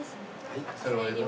はい。